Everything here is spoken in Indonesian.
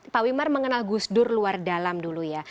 pak wimar mengenal gus dur luar dalam dulu ya